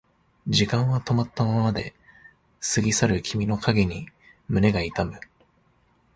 時間は止まったままで過ぎ去る君の影に胸が痛む